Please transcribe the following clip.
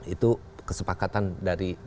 itu kesepakatan dari